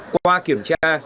qua kiểm tra